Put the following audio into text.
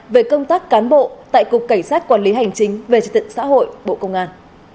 về công tác cán bộ tại cục cảnh sát quản lý hành chính về trật tự xã hội bộ công an